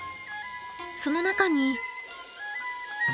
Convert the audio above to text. その中に。